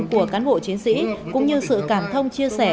của cán bộ chiến sĩ cũng như sự cảm thông chia sẻ